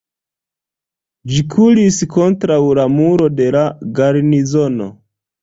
Ĝi kuris kontraŭ la muro de la garnizono.